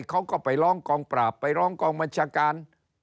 เขาก็ไปร้องกองปราบไปร้องกองบัญชาการ